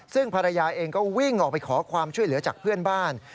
ซึ่งภรรยาเองก็วิ่งออกไปขอความช่วยเหลือจากเพื่อนบ้าน